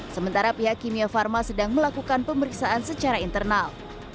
sementara pihak kimia pharma sedang melakukan pemeriksaan secara internal